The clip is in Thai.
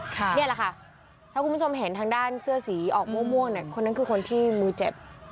ถ้าคุณผู้ชมเห็นทางด้านเสื้อสีออกม่วงคนนั้นคือคนที่มือเจ็บ